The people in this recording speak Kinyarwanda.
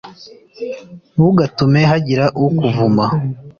ntugatume hagira ukuvuma,